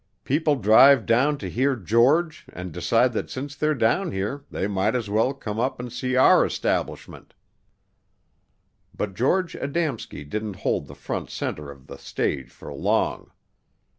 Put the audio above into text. People drive down to hear George and decide that since they're down here they might as well come up and see our establishment." But George Adamski didn't hold the front center of the stage for long.